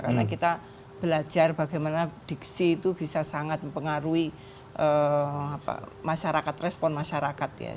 karena kita belajar bagaimana diksi itu bisa sangat mempengaruhi masyarakat respon masyarakat ya